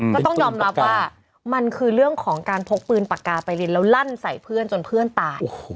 ก็ต้องยอมรับว่ามันคือเรื่องของการพกปืนปากกาไปรินแล้วลั่นใส่เพื่อนจนเพื่อนตาย